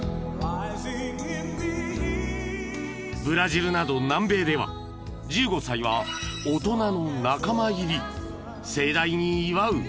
［ブラジルなど南米では１５歳は大人の仲間入り］